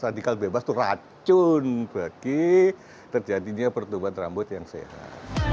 radikal bebas itu racun bagi terjadinya pertumbuhan rambut yang sehat